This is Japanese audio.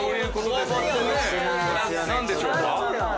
なんでしょうか？